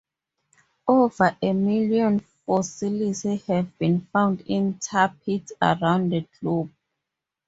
Over a million fossils have been found in tar pits around the globe.